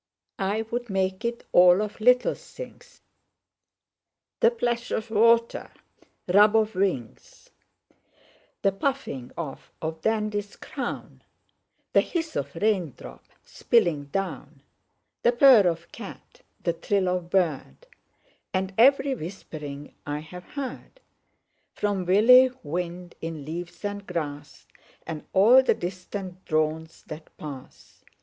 I'd make it all of little things The plash of water, rub of wings, The puffing off of dandies crown, The hiss of raindrop spilling down, The purr of cat, the trill of bird, And ev'ry whispering I've heard From willy wind in leaves and grass, And all the distant drones that pass.